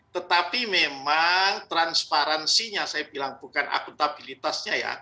tetapi memang transparansinya saya bilang bukan aktuabilitasnya